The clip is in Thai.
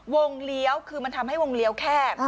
เลี้ยวคือมันทำให้วงเลี้ยวแคบ